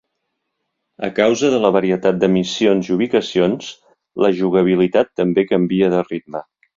A causa de la varietat de missions i ubicacions, la jugabilitat també canvia de ritme.